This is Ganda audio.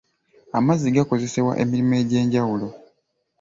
Amazzi gakozesebwa emirimu egy'enjawulo.